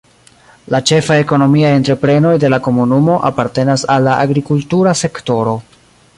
La ĉefaj ekonomiaj entreprenoj de la komunumo apartenas al la agrikultura sektoro.